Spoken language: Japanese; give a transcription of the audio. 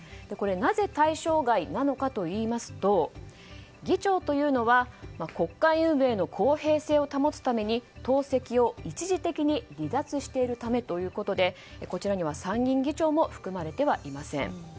なぜ対象外なのかといいますと議長というのは国会運営の公平性を保つために党籍を一時的に離脱しているためということでこちらには参議院議長も含まれてはいません。